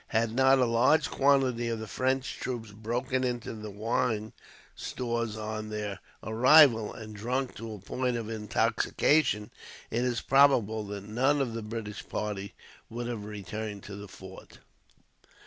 Had not a large quantity of the French troops broken into the wine stores on their arrival, and drunk to a point of intoxication, it is probable that none of the British party would have returned to the fort.